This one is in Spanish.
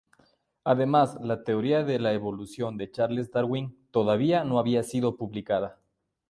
Además, la teoría de la evolución de Charles Darwin todavía no había sido publicada.